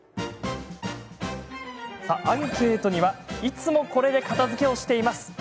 アンケートには「いつもこれで片づけをしています」